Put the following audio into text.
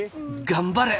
頑張れ！